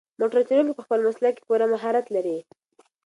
موټر چلونکی په خپل مسلک کې پوره مهارت لري.